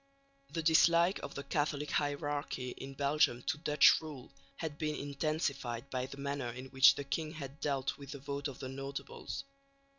The dislike of the Catholic hierarchy in Belgium to Dutch rule had been intensified by the manner in which the king had dealt with the vote of the notables.